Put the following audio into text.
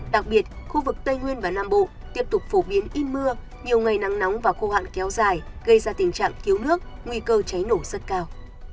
đặc biệt khu vực tây nguyên và nam bộ tiếp tục phổ biến ít mưa nhiều ngày nắng nóng và khô hạn kéo dài gây ra tình trạng thiếu nước nguy cơ cháy nổ rất cao